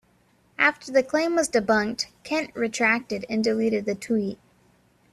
After the claim was debunked, Kent retracted and deleted the tweet.